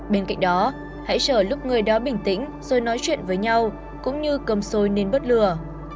bên cạnh đó hãy chờ lúc người đó bình tĩnh rồi nói chuyện với nhau cũng như cơm xôi nên bớt lừa